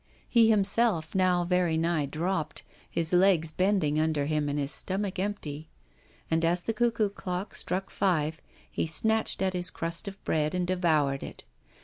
He himself now very nigh dropped, his legs bending under him, and his stomach empty. And as the cuckoo clock struck five, he snatched at his crust of bread and devoured it.